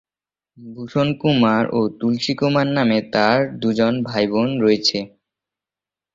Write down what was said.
ভূষণ কুমার ও তুলসী কুমার নামে তার দু'জন ভাইবোন রয়েছে।